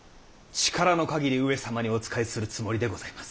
力の限り上様にお仕えするつもりでございます。